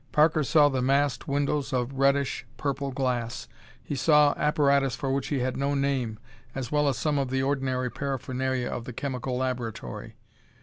Parker saw the massed windows of reddish purple glass; he saw apparatus for which he had no name, as well as some of the ordinary paraphernalia of the chemical laboratory.